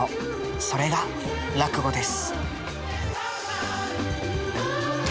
それが落語です。